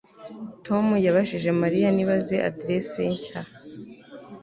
Tom yabajije Mariya niba azi aderesi ye nshya